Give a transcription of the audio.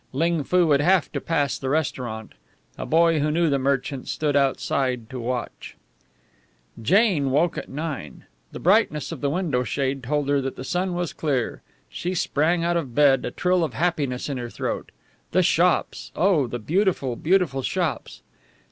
Ling Foo would have to pass the restaurant. A boy who knew the merchant stood outside to watch. Jane woke at nine. The brightness of the window shade told her that the sun was clear. She sprang out of bed, a trill of happiness in her throat. The shops! Oh, the beautiful, beautiful shops!